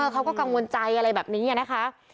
เขาก็กังวลใจอะไรแบบนี้นะคะ